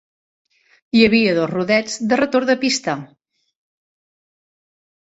Hi havia dos rodets de retorn de pista.